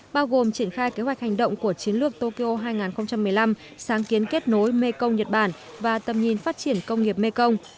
bao gồm triển khai kế hoạch hành động của chiến lược tokyo hai nghìn một mươi năm sáng kiến kết nối mekong nhật bản và tầm nhìn phát triển công nghiệp mekong